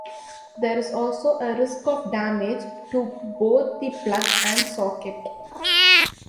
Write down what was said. There is also a risk of damage to both the plug and socket.